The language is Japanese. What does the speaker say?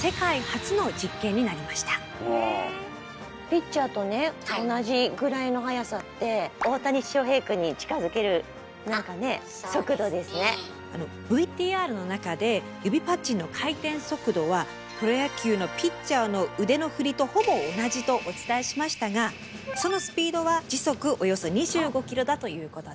ピッチャーとね同じぐらいの速さって大谷翔平くんにＶＴＲの中で指パッチンの回転速度はプロ野球のピッチャーの腕の振りとほぼ同じとお伝えしましたがそのスピードは時速およそ２５キロだということです。